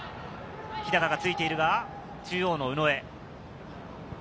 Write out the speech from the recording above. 日高がついているが、中央の宇野へ。